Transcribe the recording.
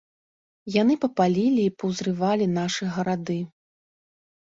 Яны папалілі і паўзрывалі нашы гарады.